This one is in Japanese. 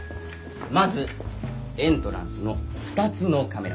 まずエントランスの２つのカメラです。